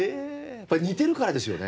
やっぱり似てるからですよね。